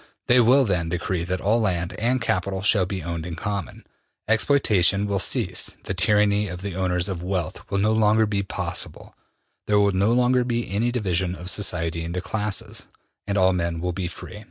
They will then decree that all land and capital shall be owned in common; exploitation will cease; the tyranny of the owners of wealth will no longer be possible; there will no longer be any division of society into classes, and all men will be free.